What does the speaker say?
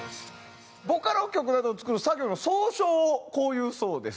ボカロ曲などを作る作業の総称をこう言うそうです。